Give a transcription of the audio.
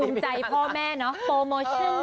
ใจพ่อแม่เนาะโปรโมชั่น